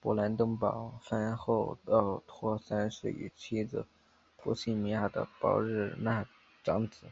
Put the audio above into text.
勃兰登堡藩侯奥托三世与妻子波希米亚的鲍日娜的长子。